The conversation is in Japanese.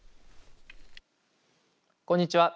こんにちは。